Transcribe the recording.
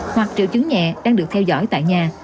hoặc triệu chứng nhẹ đang được theo dõi tại nhà